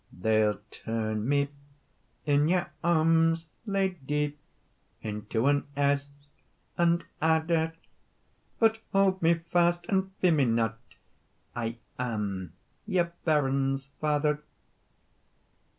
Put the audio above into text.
"They'll turn me in your arms, lady, Into an esk and adder; But hold me fast, and fear me not, I am your bairn's father.